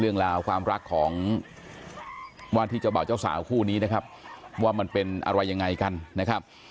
เรื่องราวความรักของว่าที่เจ้าบ่าวเจ้าสาวคู่นี้นะครับว่ามันเป็นอะไรยังไงกันนะครับ